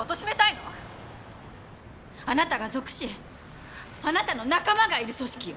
あなたが属しあなたの仲間がいる組織よ！